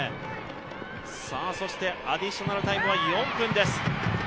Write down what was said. そしてアディショナルタイムは４分です。